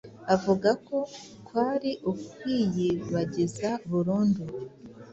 avuga ko kwari ukwiyibagiza burundu